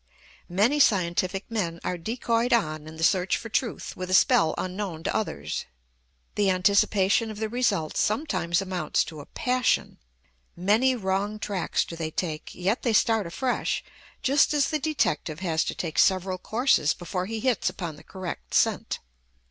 Many scientific men are decoyed on in the search for truth with a spell unknown to others: the anticipation of the results sometimes amounts to a passion. Many wrong tracks do they take, yet they start afresh, just as the detective has to take several courses before he hits upon the correct scent.